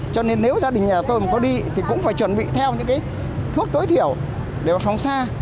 cho nên nếu gia đình nhà tôi mà có đi thì cũng phải chuẩn bị theo những cái thuốc tối thiểu để phòng xa